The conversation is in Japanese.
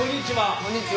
こんにちは。